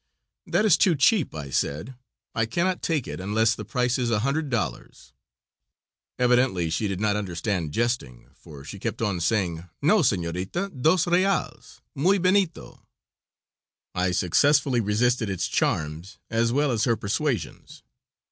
"That is too cheap," I said; "I cannot take it unless the price is $100." Evidently she did not understand jesting, for she kept on saying, "No, senorita, dos reals; muy benito." I successfully resisted its charms as well as her persuasions.